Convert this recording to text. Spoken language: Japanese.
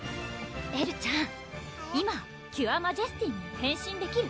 エルちゃん今キュアマジェスティに変身できる？